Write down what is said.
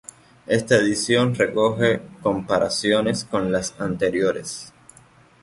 Esta edición recoge comparaciones con las anteriores.